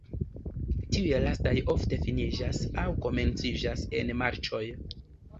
Tiuj lastaj ofte finiĝas aŭ komenciĝas en marĉoj.